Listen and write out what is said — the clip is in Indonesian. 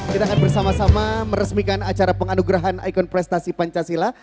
kita akan bersama sama meresmikan acara penganugerahan ikon prestasi pancasila